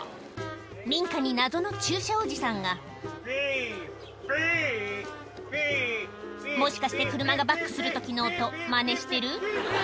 民家に謎の駐車おじさんがもしかして車がバックする時の音マネしてる？